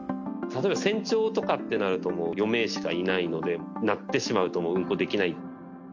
例えば船長とかってなると、もう４名しかいないので、なってしまうともう運航できない。